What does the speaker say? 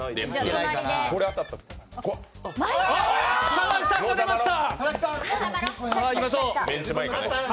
佐々木さんが出ました。